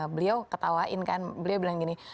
beliau ketawain kan beliau bilang gini